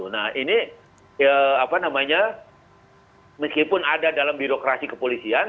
nah ini apa namanya meskipun ada dalam birokrasi kepolisian